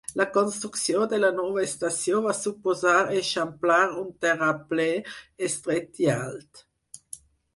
La construcció de la nova estació va suposar eixamplar un terraplè estret i alt.